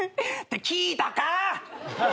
って聞いたか！？